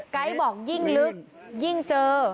ไก๊บอกยิ่งลึกยิ่งเจอ